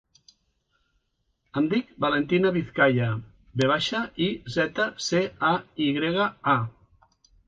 Em dic Valentina Vizcaya: ve baixa, i, zeta, ce, a, i grega, a.